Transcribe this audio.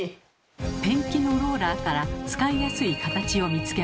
ペンキのローラーから使いやすい形を見つけました。